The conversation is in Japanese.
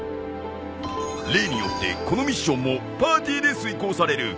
例によってこのミッションもパーティーで遂行される。